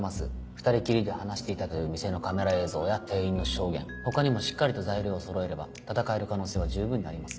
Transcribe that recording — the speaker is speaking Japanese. ２人きりで話していたという店のカメラ映像や店員の証言他にもしっかりと材料をそろえれば戦える可能性は十分にあります。